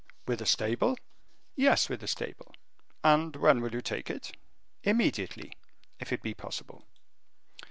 "With a stable?" "Yes, with a stable." "And when will you take it?" "Immediately if it be possible."